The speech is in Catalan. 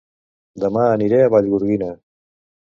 Dema aniré a Vallgorguina